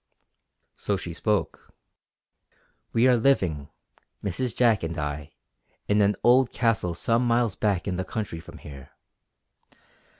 So she spoke: "We are living, Mrs. Jack and I, in an old Castle some miles back in the country from here.